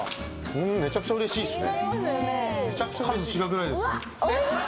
めちゃくちゃうれしいっすね。